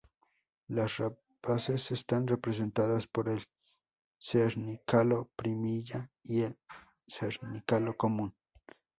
Las rapaces están representadas por el cernícalo primilla y el cernícalo Común.